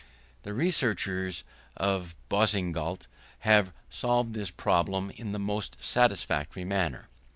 The researches of Boussingault have solved this problem in the most satisfactory manner.